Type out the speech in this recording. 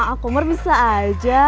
a a komar bisa aja